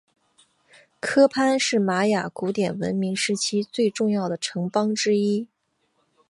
科潘是玛雅文明古典时期最重要的城邦之一。